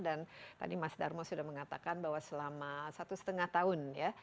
dan tadi mas darmo sudah mengatakan bahwa selama satu setengah tahun ya